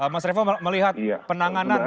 mas revo melihat penanganan